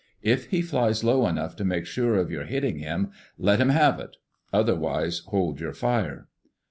If he flies low enough to make sure of your hitting him, let him have it.... Otherwise hold your fire."